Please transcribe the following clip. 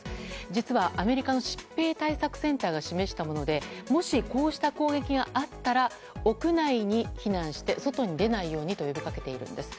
実はアメリカの疾病対策センターが示したものでもしこうした攻撃があったら屋内に避難して外に出ないようにと呼びかけているんです。